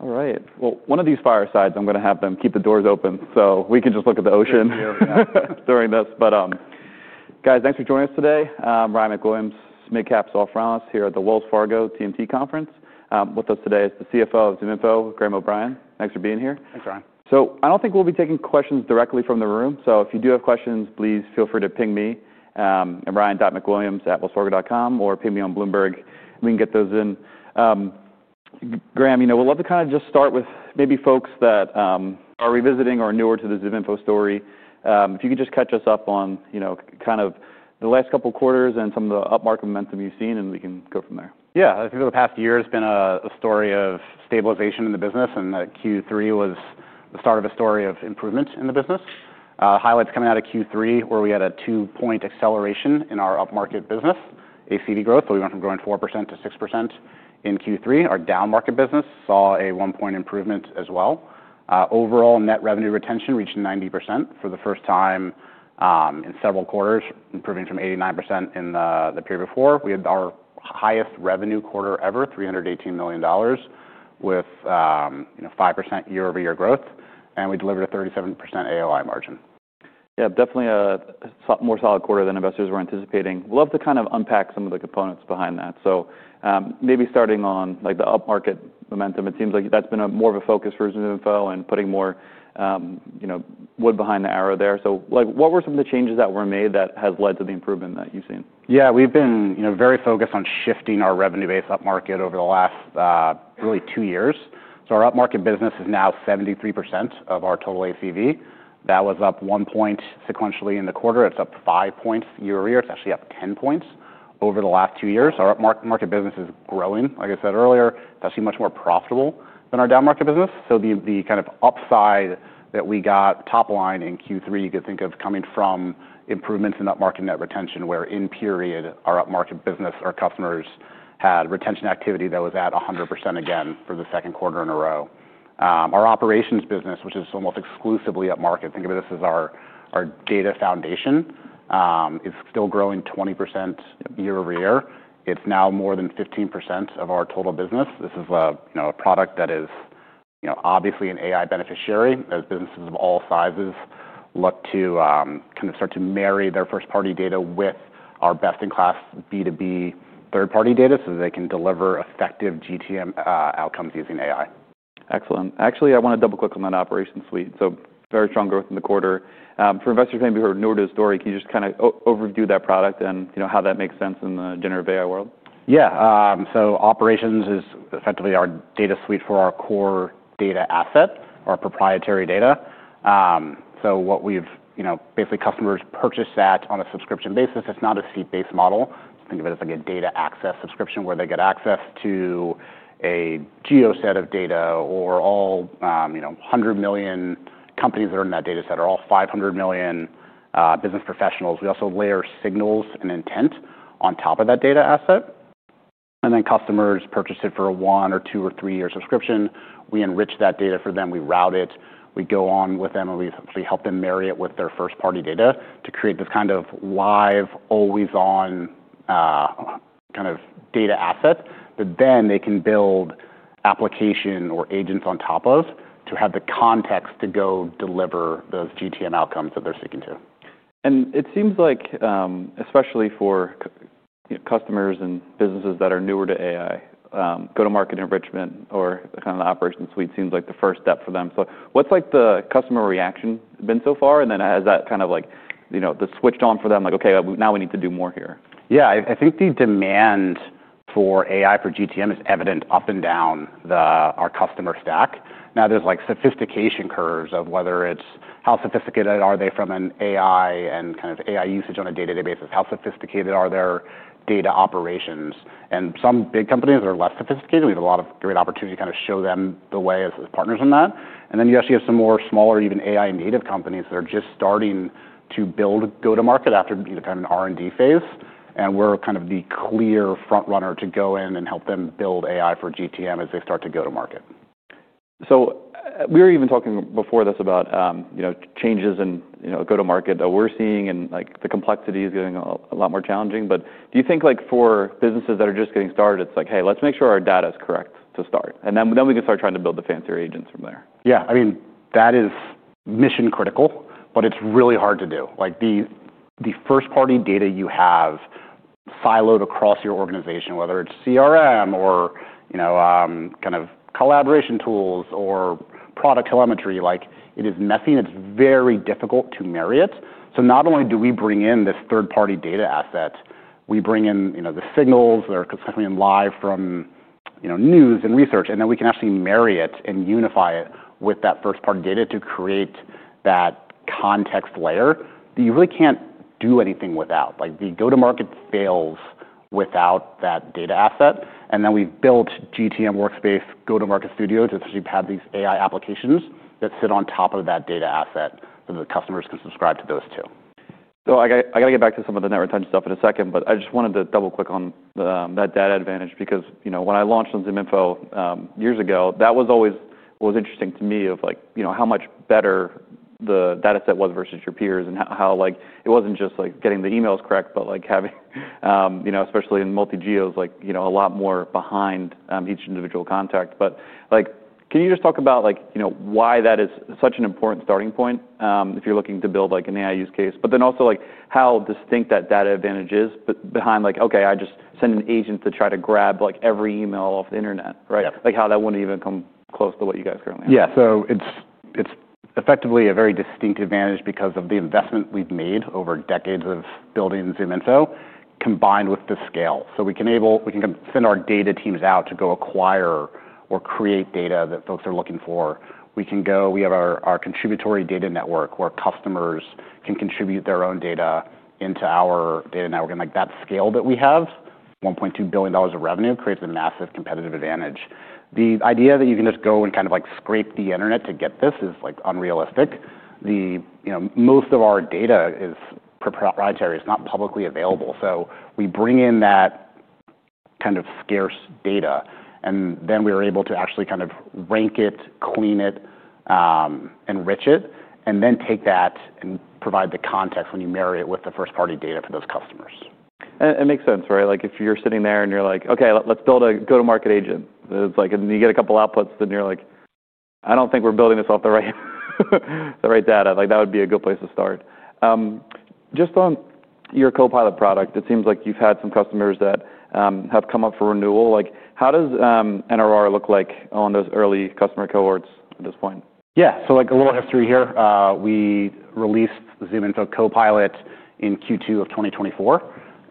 All right. One of these firesides, I'm going to have them keep the doors open so we can just look at the ocean during this. Guys, thanks for joining us today. Ryan MacWilliams, SMID-cap software analyst here at the Wells Fargo TMT Conference. With us today is the CFO of ZoomInfo, Graham O'Brien. Thanks for being here. Thanks, Ryan. I do not think we will be taking questions directly from the room. If you do have questions, please feel free to ping me at ryan.macwilliams@wellsfargo.com or ping me on Bloomberg. We can get those in. Graham, you know, we would love to kind of just start with maybe folks that are revisiting or newer to the ZoomInfo story. If you could just catch us up on, you know, kind of the last couple quarters and some of the upmarket momentum you have seen, and we can go from there. Yeah. I think over the past year, it's been a story of stabilization in the business. Q3 was the start of a story of improvement in the business. Highlights coming out of Q3 where we had a two-point acceleration in our upmarket business, ACV growth. We went from growing 4% to 6% in Q3. Our downmarket business saw a one-point improvement as well. Overall net revenue retention reached 90% for the first time in several quarters, improving from 89% in the period before. We had our highest revenue quarter ever, $318 million, with, you know, 5% year-over-year growth. We delivered a 37% AOI margin. Yeah, definitely a more solid quarter than investors were anticipating. We'd love to kind of unpack some of the components behind that. Maybe starting on, like, the upmarket momentum, it seems like that's been more of a focus for ZoomInfo and putting more, you know, wood behind the arrow there. Like, what were some of the changes that were made that have led to the improvement that you've seen? Yeah, we've been, you know, very focused on shifting our revenue-based upmarket over the last, really two years. Our upmarket business is now 73% of our total ACV. That was up one percentage point sequentially in the quarter. It's up five points year-over-year. It's actually up 10 points over the last two years. Our upmarket business is growing, like I said earlier. It's actually much more profitable than our downmarket business. The kind of upside that we got top line in Q3, you could think of coming from improvements in upmarket net retention where, in period, our upmarket business, our customers had retention activity that was at 100% again for the second quarter in a row. Our operations business, which is almost exclusively upmarket, think of this as our data foundation, is still growing 20% year-over-year. It's now more than 15% of our total business. This is a, you know, a product that is, you know, obviously an AI beneficiary as businesses of all sizes look to, kind of start to marry their first-party data with our best-in-class B2B third-party data so that they can deliver effective GTM outcomes using AI. Excellent. Actually, I want to double-click on that Operations suite. So very strong growth in the quarter. For investors, maybe who have heard newer to the story, can you just kind of overdo that product and, you know, how that makes sense in the generative AI world? Yeah. Operations is effectively our data suite for our core data asset, our proprietary data. What we've, you know, basically, customers purchase that on a subscription basis. It's not a seat-based model. Think of it as, like, a data access subscription where they get access to a geo set of data or all, you know, 100 million companies that are in that data set or all 500 million business professionals. We also layer signals and intent on top of that data asset. Then customers purchase it for a one or two or three-year subscription. We enrich that data for them. We route it. We go on with them, and we essentially help them marry it with their first-party data to create this kind of live, always-on, kind of data asset that then they can build application or agents on top of to have the context to go deliver those GTM outcomes that they're seeking to. It seems like, especially for customers and businesses that are newer to AI, go-to-market enrichment or kind of the Operations suite seems like the first step for them. What's, like, the customer reaction been so far? Has that kind of, like, you know, switched on for them, like, "Okay, now we need to do more here"? Yeah. I think the demand for AI for GTM is evident up and down our customer stack. Now, there's, like, sophistication curves of whether it's how sophisticated are they from an AI and kind of AI usage on a day-to-day basis. How sophisticated are their data operations? Some big companies are less sophisticated. We have a lot of great opportunity to kind of show them the way as partners in that. You actually have some more smaller, even AI-native companies that are just starting to build go-to-market after, you know, kind of an R&D phase. We're kind of the clear front runner to go in and help them build AI for GTM as they start to go-to-market. We were even talking before this about, you know, changes in, you know, go-to-market that we're seeing and, like, the complexity is getting a lot more challenging. Do you think, like, for businesses that are just getting started, it's like, "Hey, let's make sure our data is correct to start," and then we can start trying to build the fancier agents from there? Yeah. I mean, that is mission-critical, but it's really hard to do. Like, the first-party data you have siloed across your organization, whether it's CRM or, you know, kind of collaboration tools or product telemetry, like, it is messy. And it's very difficult to marry it. So not only do we bring in this third-party data asset, we bring in, you know, the signals that are coming in live from, you know, news and research, and then we can actually marry it and unify it with that first-party data to create that context layer that you really can't do anything without. Like, the go-to-market fails without that data asset. And then we've built GTM Workspace, Go-to-Market Studio, essentially have these AI applications that sit on top of that data asset so that customers can subscribe to those too. I gotta get back to some of the net retention stuff in a second, but I just wanted to double-click on that data advantage because, you know, when I launched on ZoomInfo years ago, that was always what was interesting to me of, like, you know, how much better the data set was versus your peers and how, like, it wasn't just, like, getting the emails correct, but, like, having, you know, especially in multi-geos, like, you know, a lot more behind each individual contact. But, like, can you just talk about, like, you know, why that is such an important starting point, if you're looking to build, like, an AI use case, but then also, like, how distinct that data advantage is behind, like, "Okay, I just send an agent to try to grab, like, every email off the internet," right? Yeah. Like, how that wouldn't even come close to what you guys currently have? Yeah. So it's effectively a very distinct advantage because of the investment we've made over decades of building ZoomInfo combined with the scale. We can send our data teams out to go acquire or create data that folks are looking for. We have our contributory data network where customers can contribute their own data into our data network. And, like, that scale that we have, $1.2 billion of revenue, creates a massive competitive advantage. The idea that you can just go and kind of, like, scrape the internet to get this is, like, unrealistic. You know, most of our data is proprietary. It's not publicly available. We bring in that kind of scarce data, and then we are able to actually kind of rank it, clean it, enrich it, and then take that and provide the context when you marry it with the first-party data for those customers. It makes sense, right? Like, if you're sitting there and you're like, "Okay, let's build a go-to-market agent," it's like, and you get a couple outputs, then you're like, "I don't think we're building this off the right data." Like, that would be a good place to start. Just on your Copilot product, it seems like you've had some customers that have come up for renewal. Like, how does NRR look like on those early customer cohorts at this point? Yeah. So, like, a little history here. We released ZoomInfo Copilot in Q2 of 2024.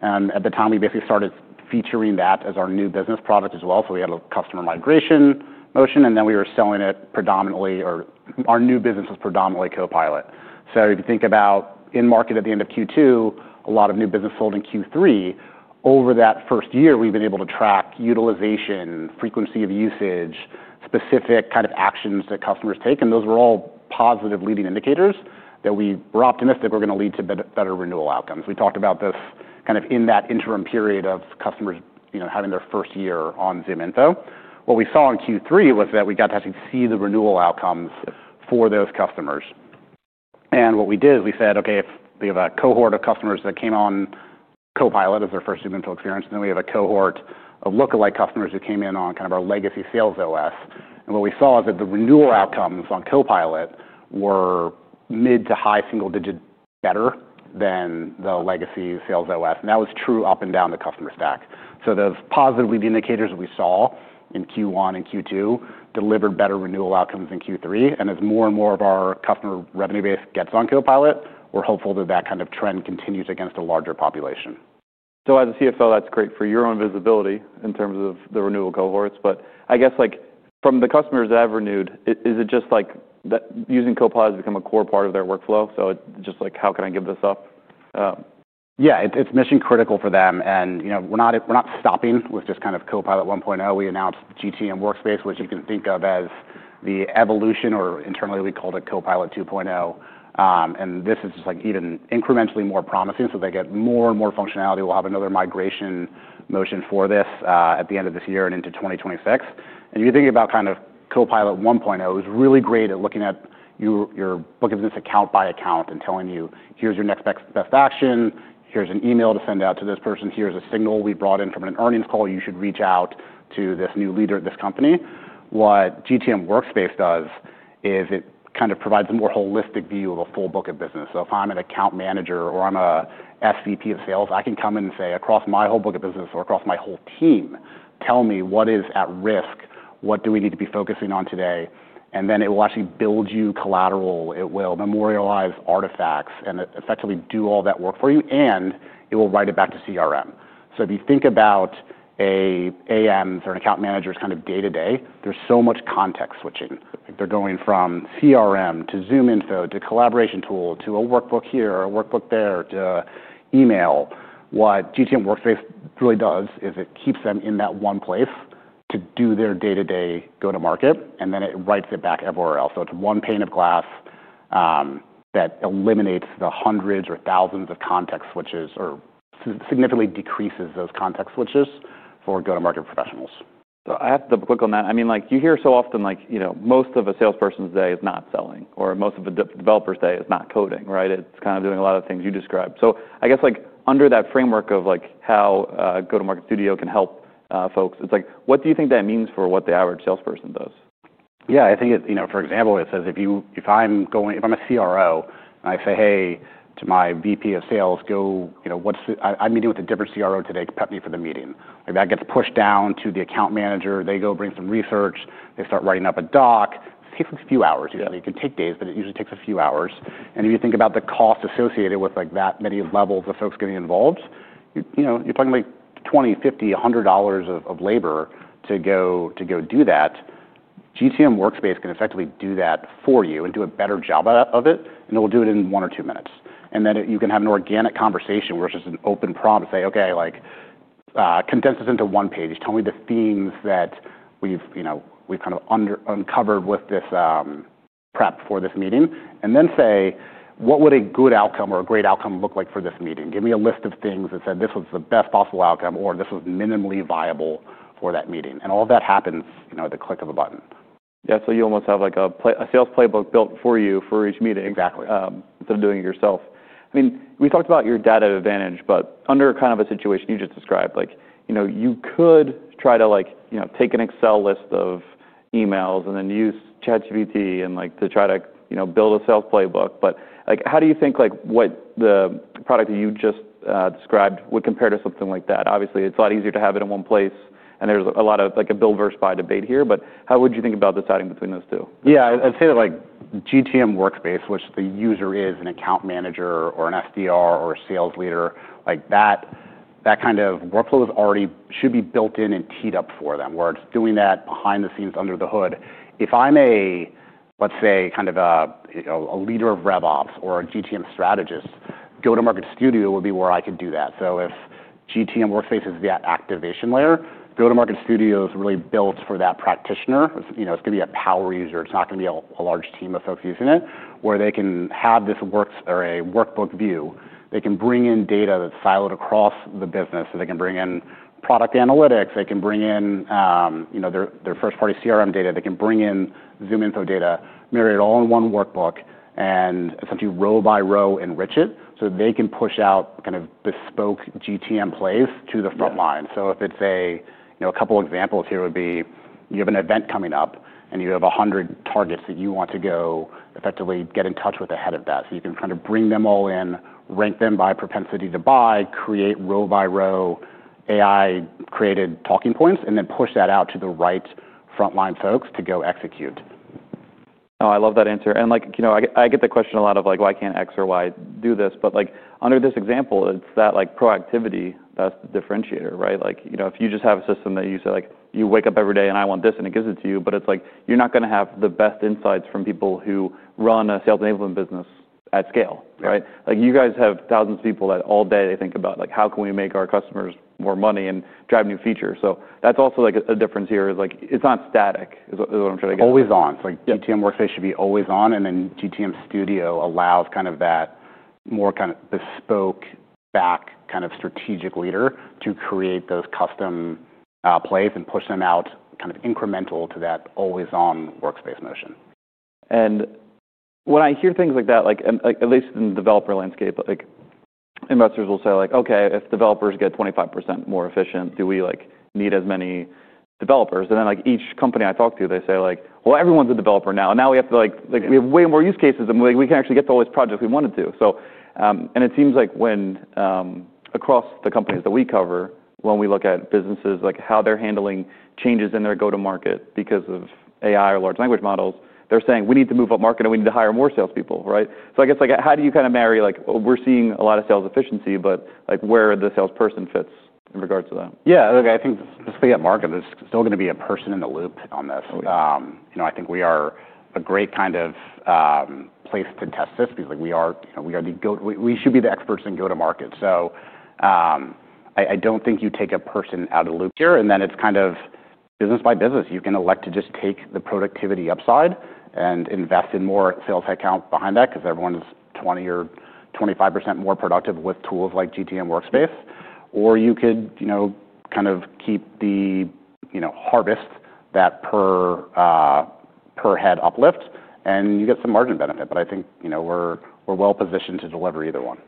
At the time, we basically started featuring that as our new business product as well. We had a customer migration motion, and then we were selling it predominantly, or our new business was predominantly Copilot. If you think about in-market at the end of Q2, a lot of new business sold in Q3. Over that first year, we've been able to track utilization, frequency of usage, specific kind of actions that customers take. Those were all positive leading indicators that we were optimistic were going to lead to better renewal outcomes. We talked about this kind of in that interim period of customers, you know, having their first year on ZoomInfo. What we saw in Q3 was that we got to actually see the renewal outcomes for those customers. What we did is we said, "Okay, if we have a cohort of customers that came on Copilot as their first ZoomInfo experience, then we have a cohort of lookalike customers who came in on kind of our legacy Sales OS." What we saw is that the renewal outcomes on Copilot were mid to high single-digit better than the legacy Sales OS. That was true up and down the customer stack. Those positive lead indicators that we saw in Q1 and Q2 delivered better renewal outcomes in Q3. As more and more of our customer revenue base gets on Copilot, we're hopeful that that kind of trend continues against a larger population. As a CFO, that's great for your own visibility in terms of the renewal cohorts. I guess, like, from the customers that have renewed, is it just, like, that using Copilot has become a core part of their workflow? It's just, like, how can I give this up? Yeah. It's mission-critical for them. And, you know, we're not stopping with just kind of Copilot 1.0. We announced GTM Workspace, which you can think of as the evolution, or internally, we call it Copilot 2.0. And this is just, like, even incrementally more promising. So they get more and more functionality. We'll have another migration motion for this, at the end of this year and into 2026. And if you're thinking about kind of Copilot 1.0, it was really great at looking at your book of business account by account and telling you, "Here's your next best action. Here's an email to send out to this person. Here's a signal we brought in from an earnings call. You should reach out to this new leader at this company." What GTM Workspace does is it kind of provides a more holistic view of a full book of business. If I'm an account manager or I'm a SVP of sales, I can come in and say, "Across my whole book of business or across my whole team, tell me what is at risk. What do we need to be focusing on today?" It will actually build you collateral. It will memorialize artifacts and effectively do all that work for you, and it will write it back to CRM. If you think about a AMs or an account manager's kind of day-to-day, there's so much context switching. They're going from CRM to ZoomInfo to collaboration tool to a workbook here or a workbook there to email. What GTM Workspace really does is it keeps them in that one place to do their day-to-day go-to-market, and then it writes it back everywhere else. It's one pane of glass, that eliminates the hundreds or thousands of context switches or significantly decreases those context switches for go-to-market professionals. I have to double-click on that. I mean, like, you hear so often, like, you know, most of a salesperson's day is not selling or most of a developer's day is not coding, right? It's kind of doing a lot of things you described. I guess, like, under that framework of, like, how Go-to-Market Studio can help, folks, it's like, what do you think that means for what the average salesperson does? Yeah. I think it, you know, for example, it says if you if I'm going if I'm a CRO and I say, "Hey," to my VP of Sales, "Go, you know, what's I'm meeting with a different CRO today. Prep me for the meeting." Maybe that gets pushed down to the account manager. They go bring some research. They start writing up a doc. It takes a few hours. You know, it can take days, but it usually takes a few hours. If you think about the cost associated with, like, that many levels of folks getting involved, you know, you're talking, like, $20, $50, $100 of labor to go to go do that. GTM Workspace can effectively do that for you and do a better job of it. It will do it in one or two minutes. You can have an organic conversation versus an open prompt and say, "Okay, like, condense this into one page. Tell me the themes that we've, you know, we've kind of uncovered with this, prep for this meeting." Then say, "What would a good outcome or a great outcome look like for this meeting? Give me a list of things that said this was the best possible outcome or this was minimally viable for that meeting." All of that happens, you know, at the click of a button. Yeah. So you almost have, like, a sales playbook built for you for each meeting. Exactly. Instead of doing it yourself. I mean, we talked about your data advantage, but under kind of a situation you just described, like, you know, you could try to, like, you know, take an Excel list of emails and then use ChatGPT and, like, to try to, you know, build a sales playbook. But, like, how do you think, like, what the product that you just described would compare to something like that? Obviously, it's a lot easier to have it in one place, and there's a lot of, like, a build versus buy debate here. How would you think about deciding between those two? Yeah. I'd say that, like, GTM Workspace, which the user is an account manager or an SDR or a sales leader, like, that kind of workflow is already should be built in and teed up for them where it's doing that behind the scenes under the hood. If I'm a, let's say, kind of a leader of RevOps or a GTM strategist, Go-to-Market Studio would be where I could do that. If GTM Workspace is that activation layer, Go-to-Market Studio is really built for that practitioner. You know, it's going to be a power user. It's not going to be a large team of folks using it where they can have this works or a workbook view. They can bring in data that's siloed across the business. They can bring in product analytics. They can bring in, you know, their first-party CRM data. They can bring in ZoomInfo data, marry it all in one workbook, and essentially row by row enrich it so they can push out kind of bespoke GTM plays to the front line. If it's a, you know, a couple examples here would be you have an event coming up, and you have 100 targets that you want to go effectively get in touch with ahead of that. You can kind of bring them all in, rank them by propensity to buy, create row by row AI-created talking points, and then push that out to the right frontline folks to go execute. Oh, I love that answer. You know, I get the question a lot of, like, why can't X or Y do this? Under this example, it's that proactivity that's the differentiator, right? You know, if you just have a system that you say, you wake up every day and I want this and it gives it to you, but you're not going to have the best insights from people who run a sales enablement business at scale, right? You guys have thousands of people that all day they think about how can we make our customers more money and drive new features. That's also a difference here. It's not static is what I'm trying to get at. Always on. It's like GTM Workspace should be always on. GTM Studio allows kind of that more kind of bespoke back kind of strategic leader to create those custom plays and push them out kind of incremental to that always-on workspace motion. When I hear things like that, at least in the developer landscape, investors will say, "Okay, if developers get 25% more efficient, do we need as many developers?" Each company I talk to, they say, "Well, everyone's a developer now. And now we have way more use cases, and we can actually get to all these projects we wanted to." It seems like, across the companies that we cover, when we look at businesses, how they're handling changes in their go-to-market because of AI or large language models, they're saying, "We need to move up market, and we need to hire more salespeople," right? I guess, how do you kind of marry, like, we're seeing a lot of sales efficiency, but where the salesperson fits in regards to that? Yeah. Look, I think specifically at market, there's still going to be a person in the loop on this. You know, I think we are a great kind of place to test this because, like, we are, you know, we are the go, we should be the experts in go-to-market. I don't think you take a person out of the loop here. It's kind of business by business. You can elect to just take the productivity upside and invest in more sales account behind that because everyone's 20% or 25% more productive with tools like GTM Workspace. Or you could, you know, kind of keep the, you know, harvest that per, per head uplift, and you get some margin benefit. I think, you know, we're well-positioned to deliver either one.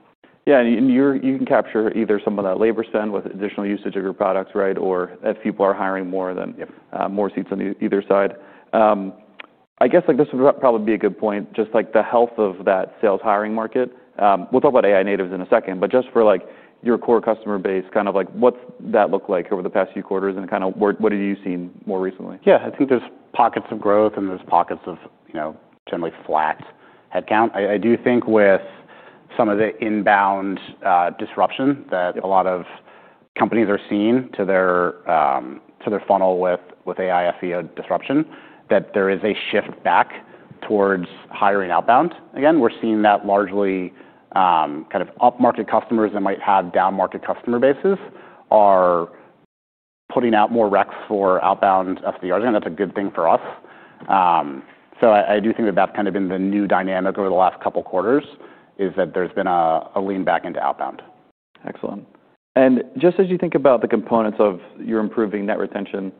Yeah. You can capture either some of that labor spend with additional usage of your products, right? Or if people are hiring more, then more seats on either side. I guess this would probably be a good point, just, like, the health of that sales hiring market. We'll talk about AI natives in a second, but just for, like, your core customer base, kind of, like, what's that look like over the past few quarters and kind of what have you seen more recently? Yeah. I think there's pockets of growth, and there's pockets of, you know, generally flat headcount. I do think with some of the inbound disruption that a lot of companies are seeing to their, to their funnel with AI SEO disruption, that there is a shift back towards hiring outbound. Again, we're seeing that largely, kind of up-market customers that might have down-market customer bases are putting out more recs for outbound SDRs. That's a good thing for us. I do think that that's kind of been the new dynamic over the last couple quarters is that there's been a lean back into outbound. Excellent. As you think about the components of your improving net retention,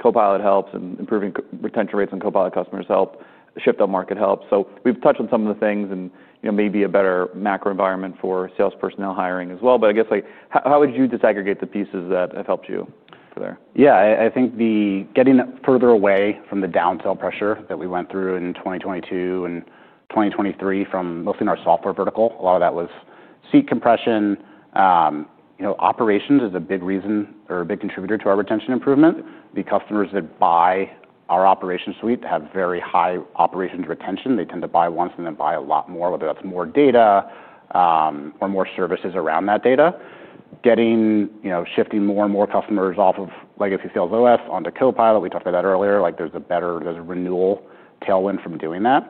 Copilot helps and improving retention rates on Copilot customers help, shipped on market helps. We have touched on some of the things and, you know, maybe a better macro environment for sales personnel hiring as well. I guess, like, how would you disaggregate the pieces that have helped you there? Yeah. I think the getting further away from the downsell pressure that we went through in 2022 and 2023 from mostly in our software vertical, a lot of that was seat compression. You know, Operations is a big reason or a big contributor to our retention improvement. The customers that buy our Operations suite have very high operations retention. They tend to buy once and then buy a lot more, whether that's more data, or more services around that data. Getting, you know, shifting more and more customers off of legacy Sales OS onto Copilot. We talked about that earlier. Like, there's a better, there's a renewal tailwind from doing that.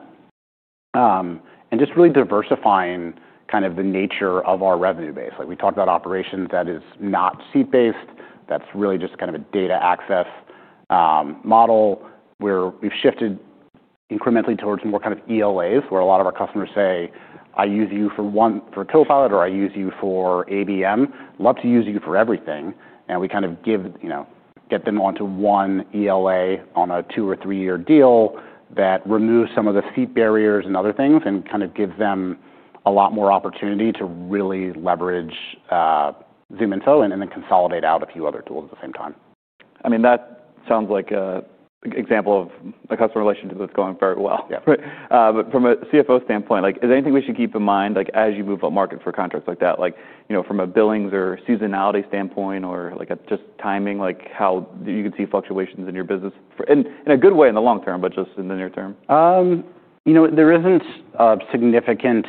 And just really diversifying kind of the nature of our revenue base. Like, we talked about Operations that is not seat-based. That's really just kind of a data access model where we've shifted incrementally towards more kind of ELAs where a lot of our customers say, "I use you for one for Copilot or I use you for ABM. I'd love to use you for everything." We kind of give, you know, get them onto one ELA on a two- or three-year deal that removes some of the seat barriers and other things and kind of gives them a lot more opportunity to really leverage ZoomInfo and then consolidate out a few other tools at the same time. I mean, that sounds like an example of a customer relationship that's going very well. Yeah. From a CFO standpoint, like, is there anything we should keep in mind, like, as you move up market for contracts like that? Like, you know, from a billings or seasonality standpoint or, like, just timing, like, how you can see fluctuations in your business in a good way in the long term, but just in the near term? You know, there isn't a significant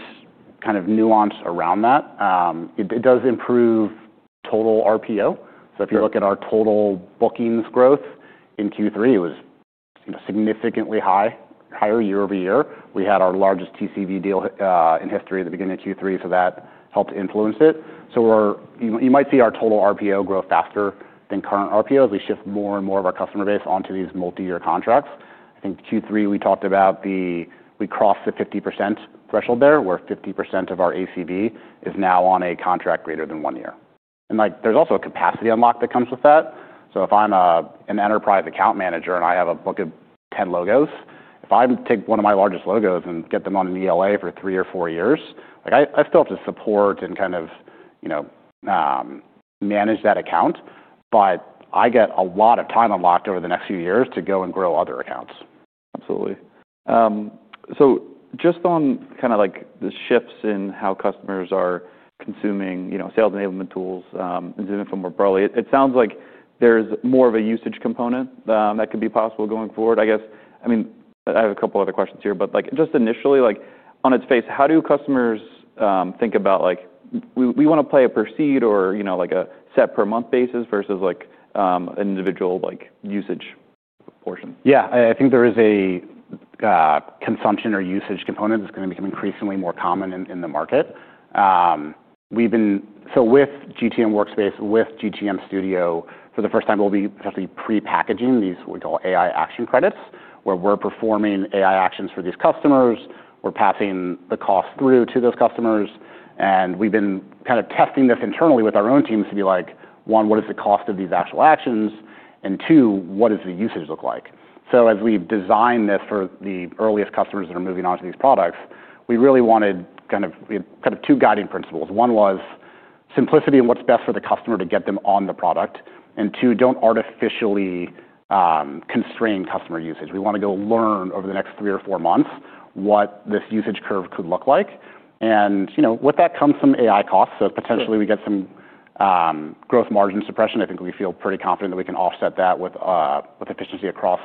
kind of nuance around that. It does improve total RPO. If you look at our total bookings growth in Q3, it was, you know, significantly high, higher year-over-year. We had our largest TCV deal in history at the beginning of Q3, so that helped influence it. You might see our total RPO grow faster than current RPO as we shift more and more of our customer base onto these multi-year contracts. I think Q3 we talked about the we crossed the 50% threshold there where 50% of our ACV is now on a contract greater than one year. And, like, there's also a capacity unlock that comes with that. If I'm an enterprise account manager and I have a book of 10 logos, if I take one of my largest logos and get them on an ELA for three or four years, like, I still have to support and kind of, you know, manage that account. I get a lot of time unlocked over the next few years to go and grow other accounts. Absolutely. Just on kind of, like, the shifts in how customers are consuming, you know, sales enablement tools, and ZoomInfo more broadly, it sounds like there's more of a usage component that could be possible going forward. I guess, I mean, I have a couple other questions here, but, like, just initially, like, on its face, how do customers think about, like, we want to pay a per seat or, you know, like, a set per month basis versus, like, an individual, like, usage portion? Yeah. I think there is a consumption or usage component that's going to become increasingly more common in the market. We've been, so with GTM Workspace, with GTM Studio, for the first time, we'll be essentially pre-packaging these, what we call AI Action Credits, where we're performing AI actions for these customers. We're passing the cost through to those customers. We've been kind of testing this internally with our own teams to be like, one, what is the cost of these actual actions? Two, what does the usage look like? As we design this for the earliest customers that are moving on to these products, we really wanted, kind of, we had kind of two guiding principles. One was simplicity and what's best for the customer to get them on the product. Two, don't artificially constrain customer usage. We want to go learn over the next three or four months what this usage curve could look like. You know, with that comes some AI costs. Potentially we get some growth margin suppression. I think we feel pretty confident that we can offset that with efficiency across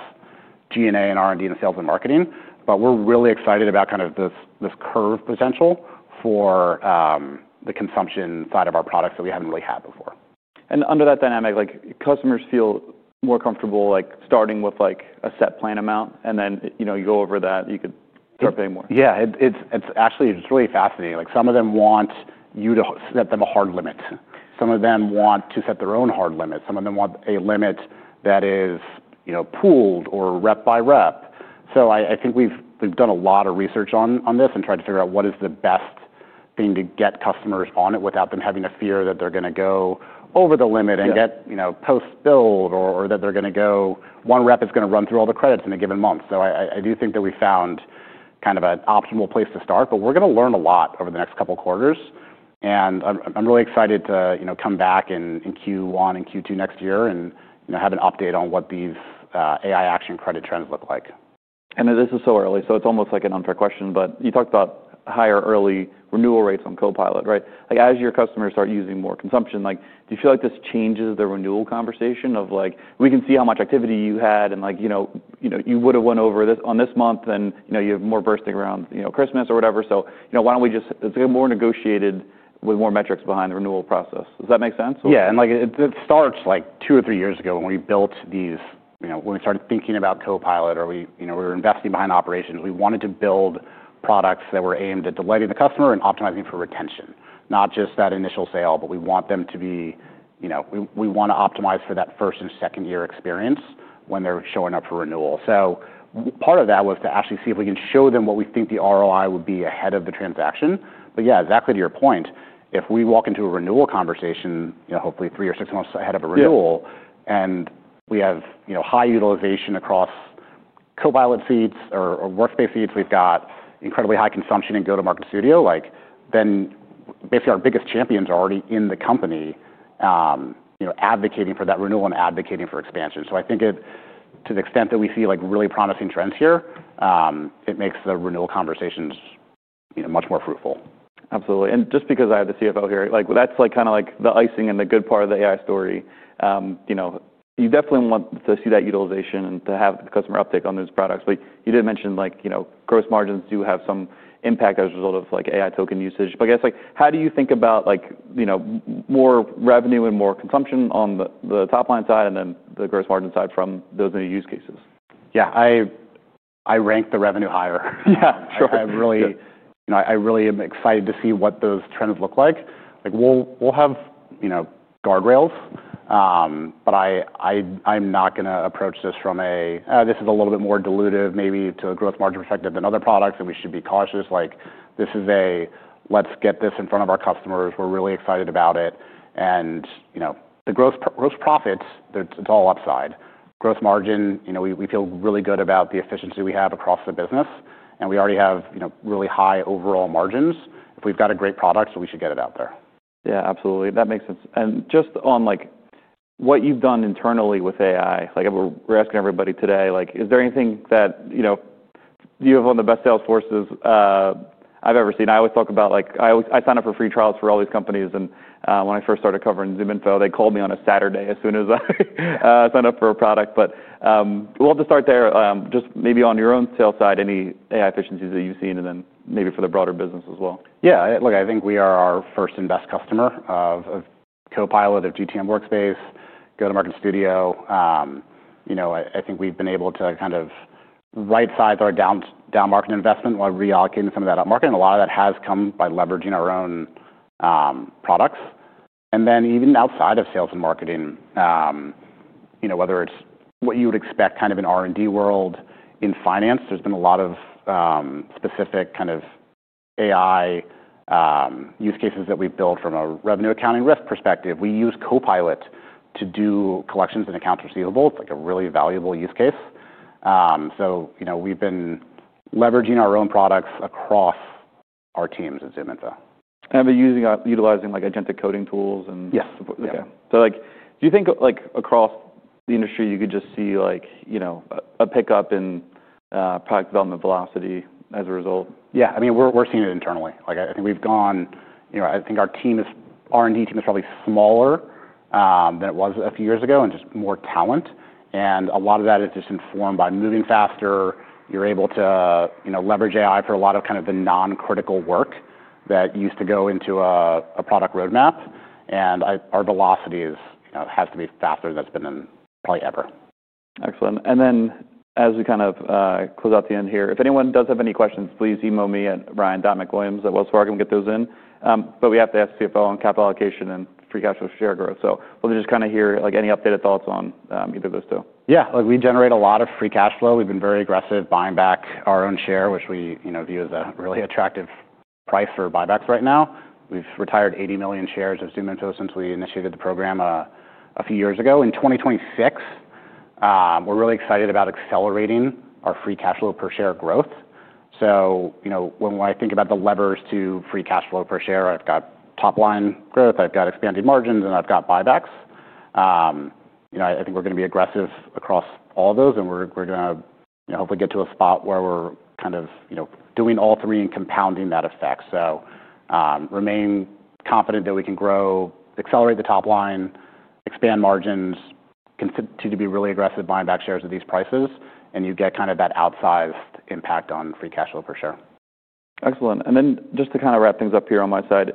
G&A and R&D and sales and marketing. We are really excited about kind of this curve potential for the consumption side of our products that we have not really had before. Under that dynamic, like, customers feel more comfortable, like, starting with, like, a set plan amount, and then, you know, you go over that, you could start paying more. Yeah. It's actually really fascinating. Like, some of them want you to set them a hard limit. Some of them want to set their own hard limit. Some of them want a limit that is, you know, pooled or rep by rep. I think we've done a lot of research on this and tried to figure out what is the best thing to get customers on it without them having to fear that they're going to go over the limit and get, you know, post-billed or that they're going to go one rep is going to run through all the credits in a given month. I do think that we found kind of an optimal place to start, but we're going to learn a lot over the next couple quarters. I'm really excited to, you know, come back in Q1 and Q2 next year and have an update on what these AI Action Credit trends look like. This is so early, so it's almost like an unfair question, but you talked about higher early renewal rates on Copilot, right? Like, as your customers start using more consumption, like, do you feel like this changes the renewal conversation of, like, we can see how much activity you had and, like, you know, you would have went over this on this month and, you know, you have more bursting around, you know, Christmas or whatever. So, you know, why don't we just—it's more negotiated with more metrics behind the renewal process. Does that make sense? Yeah. Like, it starts, like, two or three years ago when we built these, you know, when we started thinking about Copilot or we, you know, we were investing behind Operations. We wanted to build products that were aimed at delighting the customer and optimizing for retention, not just that initial sale, but we want them to be, you know, we want to optimize for that first and second-year experience when they're showing up for renewal. Part of that was to actually see if we can show them what we think the ROI would be ahead of the transaction. Yeah, exactly to your point, if we walk into a renewal conversation, you know, hopefully three or six months ahead of a renewal and we have, you know, high utilization across Copilot seats or Workspace seats, we've got incredibly high consumption in Go-to-Market Studio, like, then basically our biggest champions are already in the company, you know, advocating for that renewal and advocating for expansion. I think to the extent that we see, like, really promising trends here, it makes the renewal conversations, you know, much more fruitful. Absolutely. And just because I have the CFO here, like, that's, like, kind of, like, the icing and the good part of the AI story. You know, you definitely want to see that utilization and to have the customer uptake on those products. You did mention, like, you know, gross margins do have some impact as a result of, like, AI token usage. I guess, like, how do you think about, like, you know, more revenue and more consumption on the top line side and then the gross margin side from those new use cases? Yeah. I rank the revenue higher. Yeah. Sure. I really, you know, I really am excited to see what those trends look like. Like, we'll have, you know, guardrails, but I'm not going to approach this from a, this is a little bit more dilutive maybe to a gross margin perspective than other products and we should be cautious. Like, this is a, let's get this in front of our customers. We're really excited about it. You know, the gross profits, it's all upside. Gross margin, you know, we feel really good about the efficiency we have across the business. And we already have, you know, really high overall margins. If we've got a great product, we should get it out there. Yeah. Absolutely. That makes sense. Just on, like, what you've done internally with AI, like, we're asking everybody today, like, is there anything that, you know, you have one of the best sales forces I've ever seen. I always talk about, like, I sign up for free trials for all these companies. When I first started covering ZoomInfo, they called me on a Saturday as soon as I signed up for a product. We'll have to start there. Just maybe on your own sales side, any AI efficiencies that you've seen and then maybe for the broader business as well. Yeah. Look, I think we are our first and best customer of Copilot, of GTM Workspace, Go-to-Market Studio. You know, I think we've been able to kind of right-size our down-market investment while reallocating some of that up-market. And a lot of that has come by leveraging our own products. And then even outside of sales and marketing, you know, whether it's what you would expect kind of in R&D world, in finance, there's been a lot of specific kind of AI use cases that we've built from a revenue accounting risk perspective. We use Copilot to do collections and accounts receivable. It's like a really valuable use case. So, you know, we've been leveraging our own products across our teams at ZoomInfo. They're utilizing, like, agentic coding tools. Yes. Okay. So, like, do you think, like, across the industry you could just see, like, you know, a pickup in product development velocity as a result? Yeah. I mean, we're seeing it internally. Like, I think we've gone, you know, I think our team, our R&D team is probably smaller than it was a few years ago and just more talent. And a lot of that is just informed by moving faster. You're able to, you know, leverage AI for a lot of kind of the non-critical work that used to go into a product roadmap. And our velocity has to be faster than it's been in probably ever. Excellent. As we kind of close out the end here, if anyone does have any questions, please email me at ryan.mcwilliams@wellsfargo.com and get those in. We have to ask CFO on capital allocation and free cash flow share growth. Let me just kind of hear, like, any updated thoughts on either of those two. Yeah. Like, we generate a lot of free cash flow. We've been very aggressive buying back our own share, which we, you know, view as a really attractive price for buybacks right now. We've retired 80 million shares of ZoomInfo since we initiated the program a few years ago. In 2026, we're really excited about accelerating our free cash flow per share growth. You know, when I think about the levers to free cash flow per share, I've got top-line growth, I've got expanded margins, and I've got buybacks. You know, I think we're going to be aggressive across all of those, and we're going to, you know, hopefully get to a spot where we're kind of, you know, doing all three and compounding that effect. Remain confident that we can grow, accelerate the top line, expand margins, continue to be really aggressive buying back shares at these prices, and you get kind of that outsized impact on free cash flow per share. Excellent. Just to kind of wrap things up here on my side,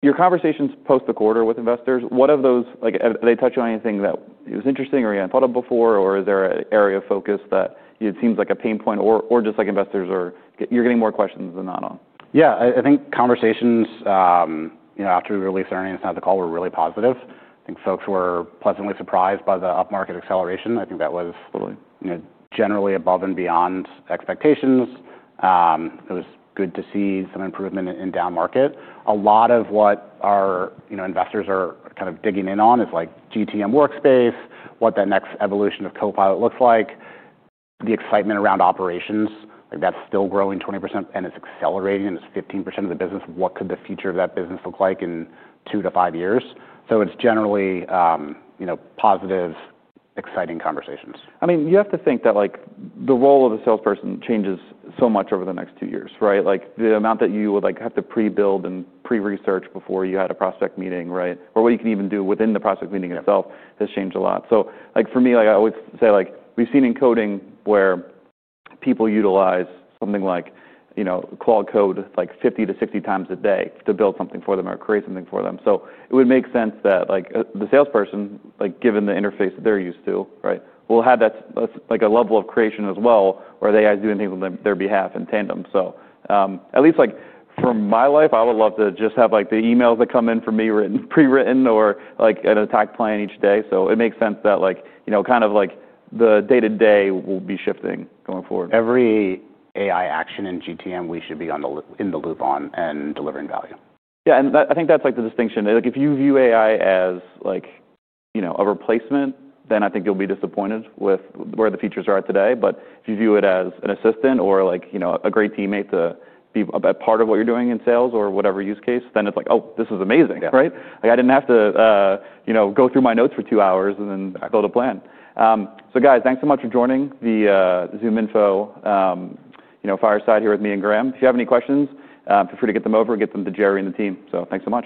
your conversations post the quarter with investors, what of those, like, are they touching on anything that was interesting or you had not thought of before, or is there an area of focus that it seems like a pain point or just, like, investors are, you are getting more questions than not on? Yeah. I think conversations, you know, after we released earnings and had the call were really positive. I think folks were pleasantly surprised by the up-market acceleration. I think that was, you know, generally above and beyond expectations. It was good to see some improvement in down-market. A lot of what our, you know, investors are kind of digging in on is, like, GTM Workspace, what that next evolution of Copilot looks like, the excitement around Operations. Like, that's still growing 20%, and it's accelerating, and it's 15% of the business. What could the future of that business look like in two to five years? It is generally, you know, positive, exciting conversations. I mean, you have to think that, like, the role of a salesperson changes so much over the next two years, right? Like, the amount that you would, like, have to pre-build and pre-research before you had a prospect meeting, right? Or what you can even do within the prospect meeting itself has changed a lot. Like, for me, like, I always say, like, we've seen in coding where people utilize something like, you know, Claude Code, like, 50-60 times a day to build something for them or create something for them. It would make sense that, like, the salesperson, like, given the interface that they're used to, right, will have that, like, a level of creation as well where they guys do things on their behalf in tandem. At least, like, for my life, I would love to just have, like, the emails that come in for me pre-written or, like, an attack plan each day. It makes sense that, like, you know, kind of, like, the day-to-day will be shifting going forward. Every AI action in GTM, we should be in the loop on and delivering value. Yeah. I think that's, like, the distinction. Like, if you view AI as, like, you know, a replacement, then I think you'll be disappointed with where the features are today. But if you view it as an assistant or, like, you know, a great teammate to be a part of what you're doing in sales or whatever use case, then it's like, oh, this is amazing, right? Like, I didn't have to, you know, go through my notes for two hours and then build a plan. So guys, thanks so much for joining the ZoomInfo, you know, fireside here with me and Graham. If you have any questions, feel free to get them over and get them to Jerry and the team. Thanks so much.